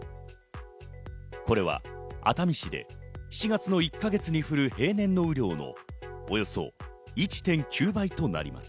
これは熱海市で７月の１か月で降る平年の量のおよそ１．９倍となります。